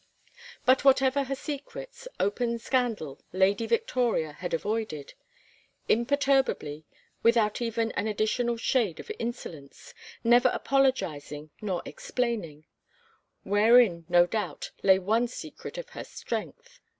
But whatever her secrets, open scandal Lady Victoria had avoided: imperturbably, without even an additional shade of insolence, never apologizing nor explaining; wherein, no doubt, lay one secret of her strength.